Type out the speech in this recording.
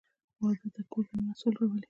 • واده د کور دننه سوله راولي.